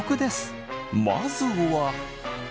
まずは。